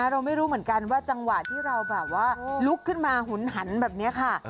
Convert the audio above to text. เราไม่รู้เหมือนกันว่าจังหวะที่เราแบบว่าลุกขึ้นมาหุนหันแบบนี้ค่ะ